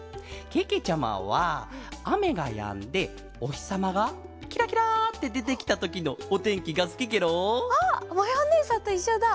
けけちゃまはあめがやんでおひさまがキラキラってでてきたときのおてんきがすきケロ！あっまやおねえさんといっしょだ！